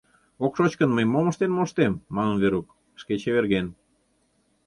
— Ок шоч гын, мый мом ыштен моштем, — манын Верук, шке чеверген.